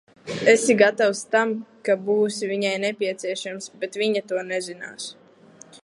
Esi gatavs tam, ka būsi viņai nepieciešams, bet viņa to nezinās.